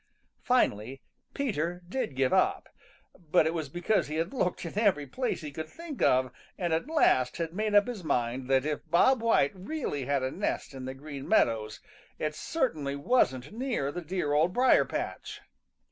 Finally Peter did give up, but it was because he had looked in every place he could think of and at last had made up his mind that if Bob White really had a nest in the Green Meadows it certainly wasn't near the dear Old Briar patch.